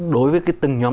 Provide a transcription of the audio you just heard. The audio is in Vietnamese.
đối với cái từng nhóm